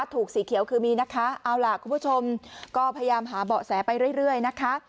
สีเขียวคือมีนะคะเอาล่ะคุณผู้ชมก็พยายามหาเบาะแสไปเรื่อยนะคะ